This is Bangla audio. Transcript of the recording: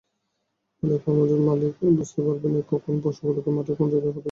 ফলে খামারমালিক বুঝতে পারবেন, কখন পশুগুলোকে মাঠের কোন জায়গায় পাঠাতে হবে।